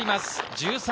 −１３。